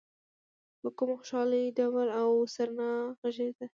په کومه خوشالۍ ډول او سرنا غږېده.